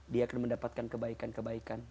dia akan mendapatkan kebaikan kebaikan